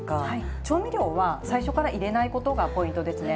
調味料は最初から入れないことがポイントですね。